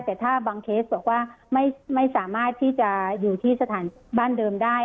แต่ถ้าบางเคสบอกว่าไม่สามารถที่จะอยู่ที่สถานบ้านเดิมได้